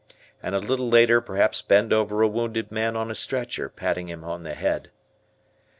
And a little later perhaps bend over a wounded man on a stretcher, patting him on the head.